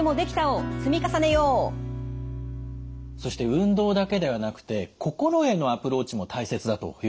そして運動だけではなくて心へのアプローチも大切だということでしたよね？